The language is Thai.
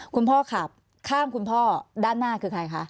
คุณพ่อขับข้างคุณพ่อด้านหน้าคือใครคะ